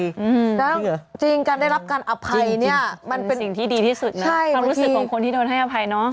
แล้วจริงการได้รับการอภัยเนี้ยมันเป็นสิ่งที่ดีที่สุดนะใช่ความรู้สึกของคนที่โดนให้อภัยเนอะ